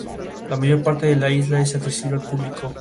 La mayor parte de la isla es accesible al público.